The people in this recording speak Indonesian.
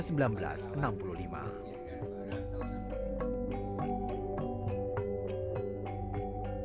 ketika diperkenalkan oleh masyarakat